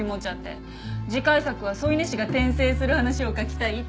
次回作は添い寝士が転生する話を書きたいって。